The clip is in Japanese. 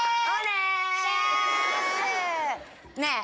おね！